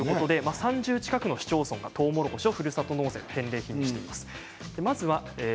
３０近くの市町村がとうもろこしをふるさと納税の返礼品にしています。